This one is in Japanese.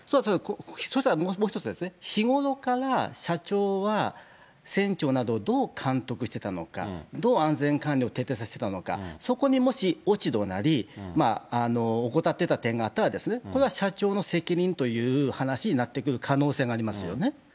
そうしたらもう一つありますね、日頃から社長は、船長などをどう監督していたのか、どう安全管理を徹底させていたのか、そこにもし落ち度なり、怠っていた点があったら、これは社長の責任という話になってくる可能性がありますよね。